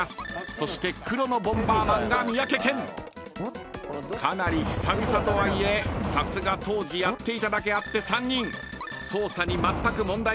［そして黒のボンバーマンが三宅健］［かなり久々とはいえさすが当時やっていただけあって３人操作にまったく問題がありません］